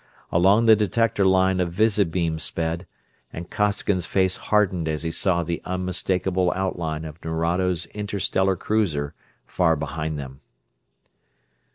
Along the detector line a visibeam sped, and Costigan's face hardened as he saw the unmistakable outline of Nerado's interstellar cruiser, far behind them.